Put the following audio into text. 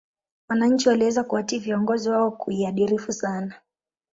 wananchi waliweza kuwatii viongozi wao kiuadirifu sana